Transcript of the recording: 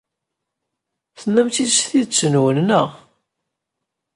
Tennam-t-id s tidet-nwen, naɣ?